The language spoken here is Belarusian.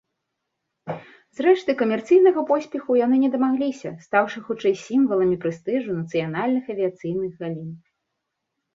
Зрэшты, камерцыйнага поспеху яны не дамагліся, стаўшы хутчэй сімваламі прэстыжу нацыянальных авіяцыйных галін.